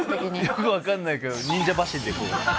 よくわかんないけど忍者走りでこう。